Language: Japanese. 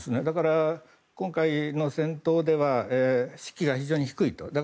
だから、今回の戦闘では士気が非常に低いと。